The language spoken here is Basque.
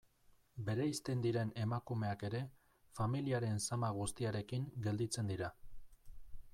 Bereizten diren emakumeak ere, familiaren zama guztiarekin gelditzen dira.